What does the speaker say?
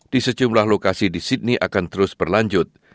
di sejumlah lokasi di sydney akan terus berlanjut